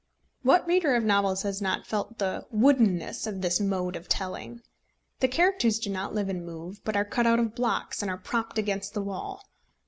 What reader of novels has not felt the "woodenness" of this mode of telling? The characters do not live and move, but are cut out of blocks and are propped against the wall.